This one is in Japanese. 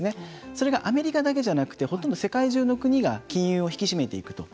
それがアメリカだけじゃなくてほとんど世界中の国が金融を引き締めていくと。